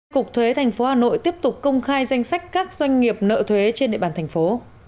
cục thuế thành phố hà nội tiếp tục công khai danh sách các doanh nghiệp nợ thuế trên địa bàn thành phố